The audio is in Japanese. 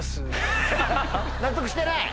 納得してない？